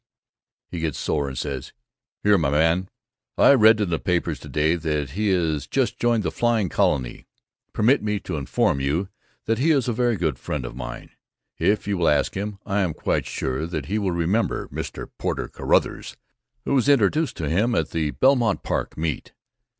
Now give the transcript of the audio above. " He gets sore and says, "See here, my man, I read in the papers to day that he has just joined the flying colony. Permit me to inform you that he is a very good friend of mine. If you will ask him, I am quite sure that he will remember Mr. Porter Carruthers, who was introduced to him at the Belmont Park Meet.